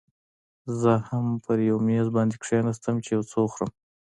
زه هم پر یو میز باندې کښېناستم، چې یو څه وخورم.